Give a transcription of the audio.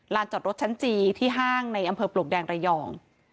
จอดรถชั้นจีที่ห้างในอำเภอปลวกแดงระยอง